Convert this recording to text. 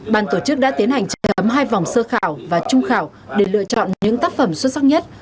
ban tổ chức đã tiến hành chấm hai vòng sơ khảo và trung khảo để lựa chọn những tác phẩm xuất sắc nhất